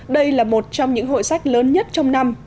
đây là một trong những hội sách lớn nhất trong năm